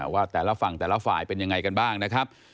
ว่าแต่ละฝั่งแต่ละฝ่ายเป็นยังไงกันบ้างนะครับ